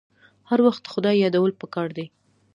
هر وخت د خدای یادول پکار دي.